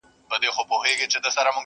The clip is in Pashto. ورور د وجدان اور کي سوځي.